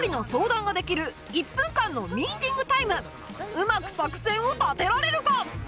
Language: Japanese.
うまく作戦を立てられるか？